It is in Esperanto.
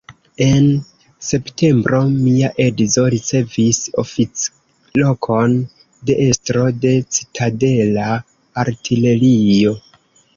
En septembro mia edzo ricevis oficlokon de estro de citadela artilerio.